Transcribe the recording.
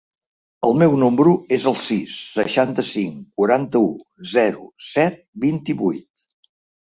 El meu número es el sis, seixanta-cinc, quaranta-u, zero, set, vint-i-vuit.